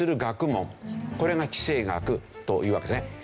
これが地政学というわけですね。